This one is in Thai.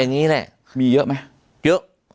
อย่างนี้แหละมีเยอะไหมเยอะ